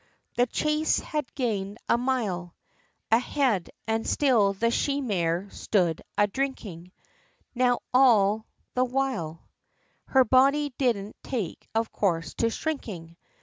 The chase had gain'd a mile A head, and still the she mare stood a drinking; Now, all the while Her body didn't take of course to shrinking.